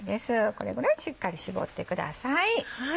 これぐらいしっかり絞ってください。